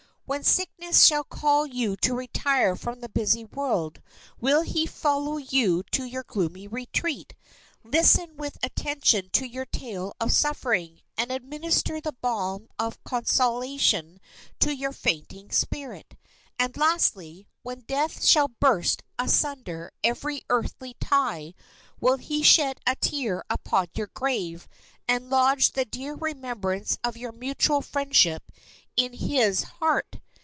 When sickness shall call you to retire from the busy world, will he follow you to your gloomy retreat, listen with attention to your tale of suffering, and administer the balm of consolation to your fainting spirit? And, lastly, when death shall burst asunder every earthly tie, will he shed a tear upon your grave, and lodge the dear remembrance of your mutual friendship in his heart?